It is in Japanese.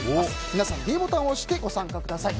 皆さん、ｄボタンを押してご参加ください。